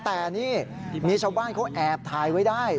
แต่นี่มีชาวบ้านเขาแอบถ่ายไว้ได้